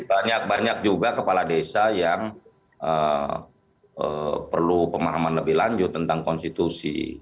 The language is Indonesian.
banyak banyak juga kepala desa yang perlu pemahaman lebih lanjut tentang konstitusi